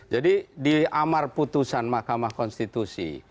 jadi di amar putusan mahkamah konstitusi